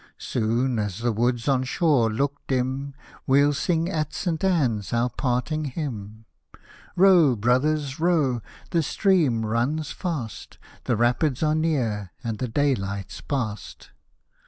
Soon as the woods on shore look dim, We'll sing at St. Ann's our parting hymn. Row, brothers, row, the stream runs fast, The Rapids are near and the daylight's past.